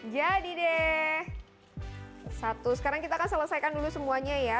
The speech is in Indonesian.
jadi deh satu sekarang kita akan selesaikan dulu semuanya ya